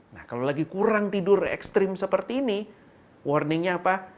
nah kalau lagi kurang tidur ekstrim seperti ini warningnya apa